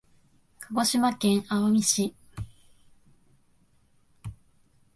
鹿児島県奄美市